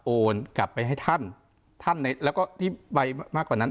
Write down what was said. โอนกลับไปให้ท่านท่านแล้วก็ที่ใบมากกว่านั้น